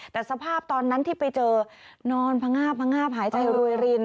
แต่สภาพตอนนั้นที่ไปเจอนอนพงาบพงาบหายใจรวยริน